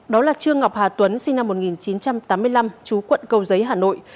đó là trương ngọc hà tuấn sinh năm một nghìn chín trăm tám mươi năm chú quận cầu giấy hà nội